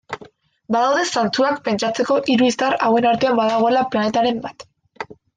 Badaude zantzuak pentsatzeko hiru izar hauen artean badagoela planetaren bat.